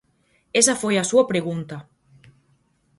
Esa foi a súa pregunta.